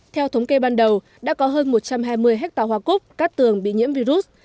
theo thống kê ban đầu đã có hơn một trăm hai mươi hectare hoa cúc cát tường bị nhiễm virus